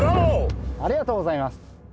ありがとうございます！